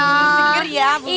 seger ya bu messi